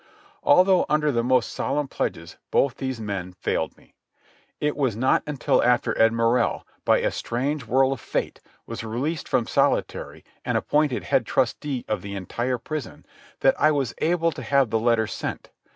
Although under the most solemn pledges, both these men failed me. It was not until after Ed Morrell, by a strange whirl of fate, was released from solitary and appointed head trusty of the entire prison, that I was able to have the letter sent.